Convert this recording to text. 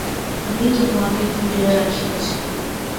আমিই তো উহাকে ধরিয়া রাখিয়াছি।